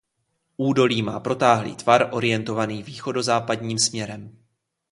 Údolí má protáhlý tvar orientovaný východozápadním směrem.